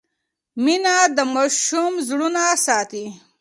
مینه د ماشوم زړونه ساتي.